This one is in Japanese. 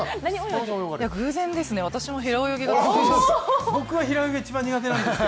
偶然ですね、私も平泳ぎが得意です。